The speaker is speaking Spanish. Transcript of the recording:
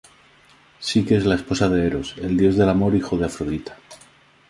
Psique es la esposa de Eros, el dios del amor hijo de Afrodita.